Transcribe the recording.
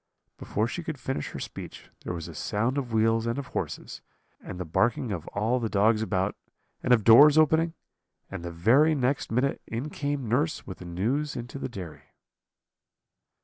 "Before she could finish her speech there was a sound of wheels and of horses, and the barking of all the dogs about, and of doors opening; and the very next minute in came nurse with the news into the dairy.